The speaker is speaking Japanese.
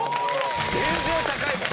全然高いもん。